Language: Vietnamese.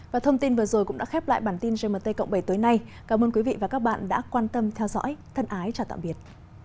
và thông tin vừa rồi cũng đã khép lại bản tin gmt cộng bảy tối nay cảm ơn quý vị và các bạn đã quan tâm theo dõi thân ái chào tạm biệt